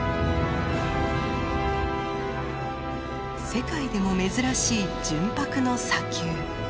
世界でも珍しい純白の砂丘。